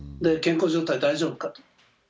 健康状態大丈夫かと。